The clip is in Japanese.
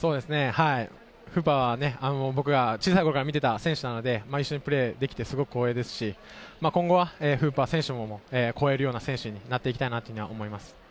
フーパーは僕が小さい頃から見ていた選手なので、一緒にプレーができて光栄ですし、今後はフーパー選手を超えるような選手になりたいと思います。